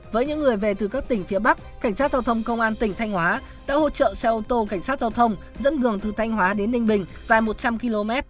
với những người về từ các tỉnh phía bắc cảnh sát giao thông công an tỉnh thanh hóa đã hỗ trợ xe ô tô cảnh sát giao thông dẫn đường từ thanh hóa đến ninh bình dài một trăm linh km